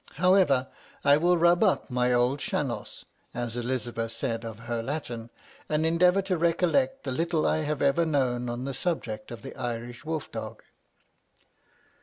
However, I will rub up my old 'Shannos,' as Elizabeth said of her Latin, and endeavour to recollect the little I have ever known on the subject of the Irish wolf dog.